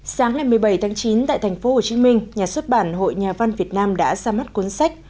sáng hai mươi bảy tháng chín tại thành phố hồ chí minh nhà xuất bản hội nhà văn việt nam đã ra mắt cuốn sách